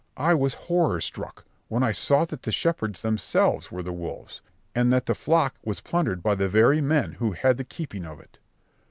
I was horror struck, when I saw that the shepherds themselves were the wolves, and that the flock was plundered by the very men who had the keeping of it.